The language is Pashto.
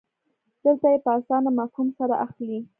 دلته یې په اسانه مفهوم سره اخلئ.